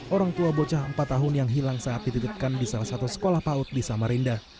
orang tua bocah empat tahun yang hilang saat dititipkan di salah satu sekolah paut di samarinda